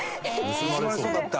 盗まれそうだった？